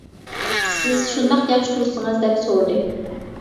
سىز شۇنداق ياخشى تۇرسىڭىز دەپ سورىدى.